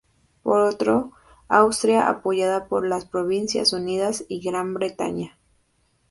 Por otro, Austria, apoyada por las Provincias Unidas y Gran Bretaña.